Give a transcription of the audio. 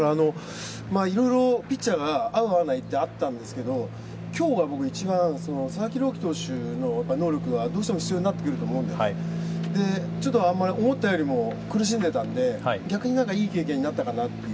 いろいろピッチャーが合う合わないってあったんですけど、僕一番、佐々木朗希投手の能力がどうしても必要になってくると思うので思ったよりも苦しんでいたので逆にいい経験になったかなと。